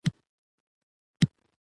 هندوکش د ژوند په کیفیت تاثیر کوي.